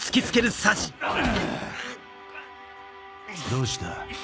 どうした？